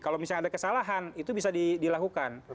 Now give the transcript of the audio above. kalau misalnya ada kesalahan itu bisa dilakukan